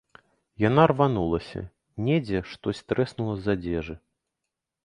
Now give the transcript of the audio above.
Яна рванулася, недзе штось трэснула з адзежы.